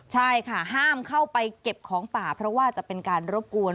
ใช่ค่ะห้ามเข้าไปเก็บของป่าเพราะว่าจะเป็นการรบกวน